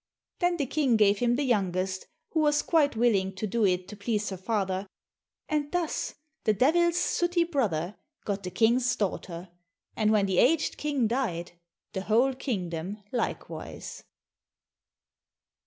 Then the King gave him the youngest, who was quite willing to do it to please her father, and thus the Devil's sooty brother got the King's daughter, and when the aged King died, the whole kingdom likewise.